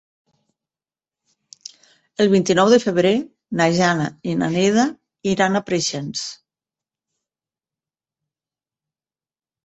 El vint-i-nou de febrer na Jana i na Neida iran a Preixens.